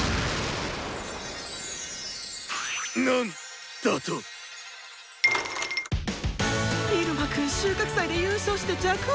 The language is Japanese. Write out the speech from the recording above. なんだと⁉イルマくん収穫祭で優勝して若王になったんか。